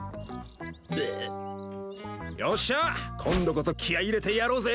よっしゃ今度こそ気合い入れてやろうぜ！